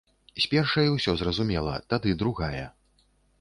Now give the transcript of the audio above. З першай усё зразумела, тады другая.